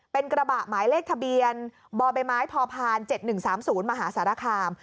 เป็นกระบะหมายเลขทะเบียนบใบไม้พพ๗๑๓๐มหาสารคาม